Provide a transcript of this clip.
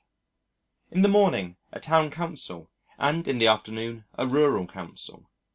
In the morning a Town Council and in the afternoon a Rural Council.